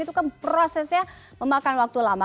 udang undang itu kan prosesnya memakan waktu lama